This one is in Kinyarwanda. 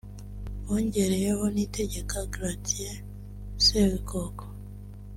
bongereyeho Niyitegeka Gratien (Seburikoko)